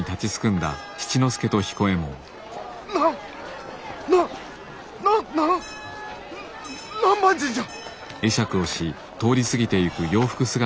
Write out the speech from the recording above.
なんなっなんなん南蛮人じゃ！